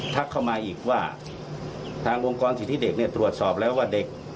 ทักเข้ามาอีกว่าทางองค์กรสิทธิเด็กเนี่ยตรวจสอบแล้วว่าเด็ก